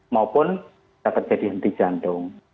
maupun bisa terjadi henti jantung